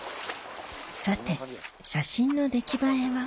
さて写真の出来栄えは？